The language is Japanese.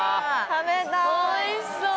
おいしそう！